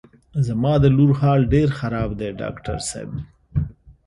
زما د لور حال ډېر خراب دی ډاکټر صاحب.